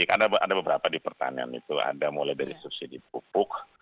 karena ada beberapa di pertanian itu ada mulai dari subsidi pupuk